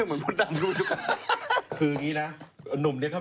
ตอนจะเริ่มค่ะอาจารย์อวยพรให้กับพวกเรา